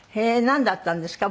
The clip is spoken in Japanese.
なんだったんですか？